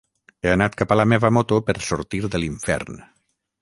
He anat cap a la meva moto per sortir de l’infern.